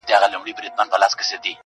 هغه نجلۍ چي ژاړي، هاغه د حوا په ښايست